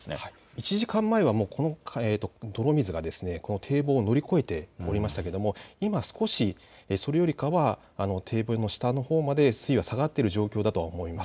１時間前はこの泥水が堤防を乗り越えていましたが今、少しそれよりかは堤防の下のほうまで水位が下がっている状況だとは思います。